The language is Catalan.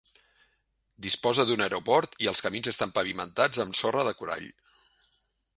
Disposa d'un aeroport i els camins estan pavimentats amb sorra de corall.